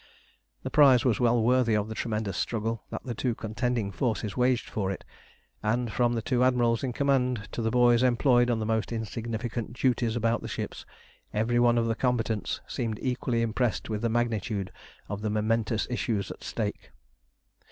The prize was well worthy of the tremendous struggle that the two contending forces waged for it; and from the two Admirals in command to the boys employed on the most insignificant duties about the ships, every one of the combatants seemed equally impressed with the magnitude of the momentous issues at stake.